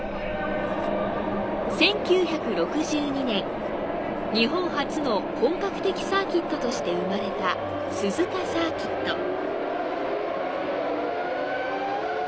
１９６２年、日本初の本格的サーキットとして生まれた鈴鹿サーキット。